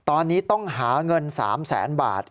ตอนนี้ต้องหาเงิน๓แสนบาท